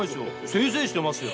せいせいしてますよ！